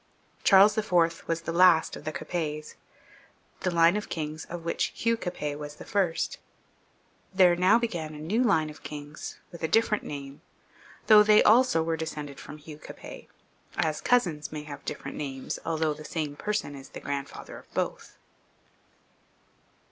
Charles IV. was the last of the Capets, the line of kings of which Hugh Capet was the first; there now began a new line of kings with a different name, though they also were descended from Hugh Capet, as cousins may have different names, although the same person is the grandfather of both.